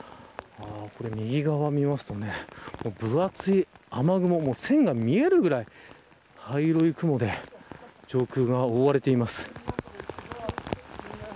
これ右側を見ますと分厚い雨雲も線が見えるぐらい灰色の雲で上空が覆われています。